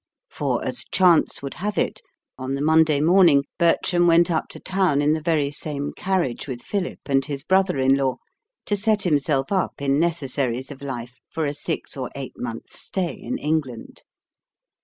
For, as chance would have it, on the Monday morning Bertram went up to town in the very same carriage with Philip and his brother in law, to set himself up in necessaries of life for a six or eight months' stay in England.